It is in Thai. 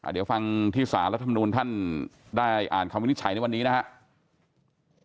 เดี๋ยวฟังที่สารรัฐมนูลท่านได้อ่านคำวินิจฉัยในวันนี้นะครับ